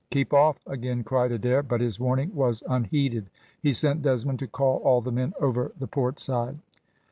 "Keep off," again cried Adair, but his warning was unheeded. He sent Desmond to call all the men over the port side.